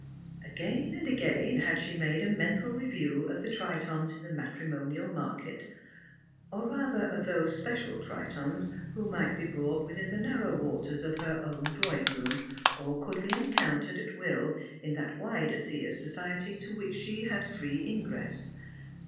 Again and again had she made a mental review of the tritons in the matrimonial market; or rather, of those special tiitons who might be brought within the narrow waters of her own drawing room, or could be encountered at will in that wider sea of society to which she had free ingress.